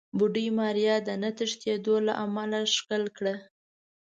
بوډۍ ماريا د نه تښتېدو له امله ښکل کړه.